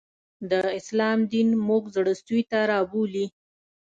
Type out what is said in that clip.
د اسلام دین موږ زړه سوي ته رابولي